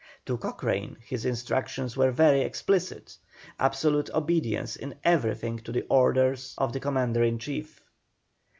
To Cochrane his instructions were very explicit, absolute obedience in everything to the orders of the commander in chief.